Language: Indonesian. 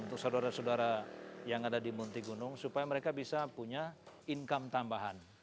untuk saudara saudara yang ada di munti gunung supaya mereka bisa punya income tambahan